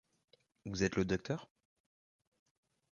Vous êtes le docteur ?